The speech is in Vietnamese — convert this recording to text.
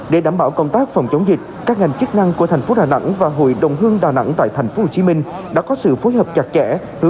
để đảm bảo công tác phòng chống dịch các ngành chức năng của thành phố đà nẵng và hội đồng hương đà nẵng tại thành phố hồ chí minh đã có sự phối hợp chặt chẽ